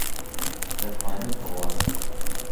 دەتوانێت بڕوات.